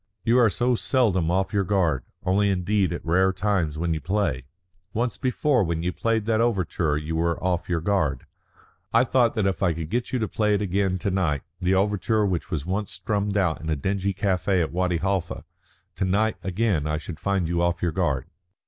"You are so seldom off your guard. Only indeed at rare times when you play. Once before when you played that overture you were off your guard. I thought that if I could get you to play it again to night the overture which was once strummed out in a dingy café at Wadi Halfa to night again I should find you off your guard."